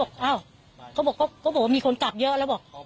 ก็บอกว่ามีคนกลับเยอะแล้ว